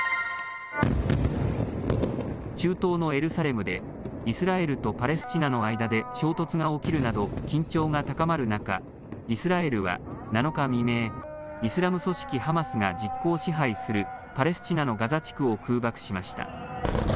中東のエルサレムでイスラエルとパレスチナの間で衝突が起きるなど緊張が高まる中、イスラエルは７日未明、イスラム組織ハマスが実効支配するパレスチナのガザ地区を空爆しました。